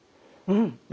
うん。